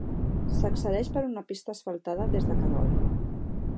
S'accedeix per una pista asfaltada des de Querol.